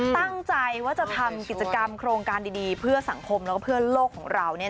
ตั้งใจว่าจะทำกิจกรรมโครงการดีเพื่อสังคมแล้วก็เพื่อโลกของเรา